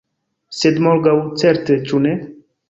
Sed morgaŭ certe, ĉu ne?